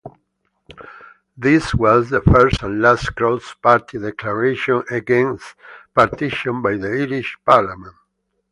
This was the first and last cross-party declaration against partition by the Irish parliament.